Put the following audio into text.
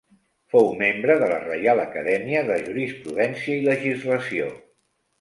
Fou membre de la Reial Acadèmia de Jurisprudència i Legislació.